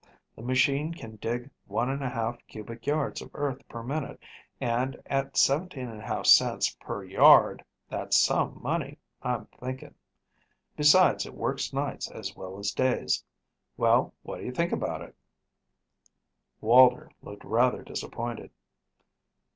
The machine can dig one and one half cubic yards of earth per minute, and, at 17½ cents per yard, that's some money, I'm thinking. Besides it works nights as well as days. Well, what do you think about it?" Walter looked rather disappointed.